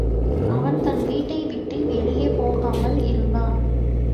அவன் தன் வீட்டை விட்டு வெளியே போகாமல் இருந்தான்.